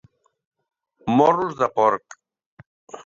Morros de porc.